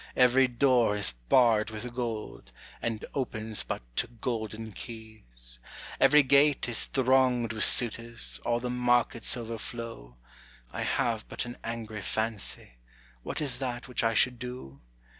Every door is barred with gold, and opens but to golden keys. Every gate is thronged with suitors, all the markets overflow. I have but an angry fancy: what is that which I should do?